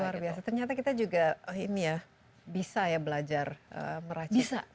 ternyata kita juga bisa ya belajar meracik parfum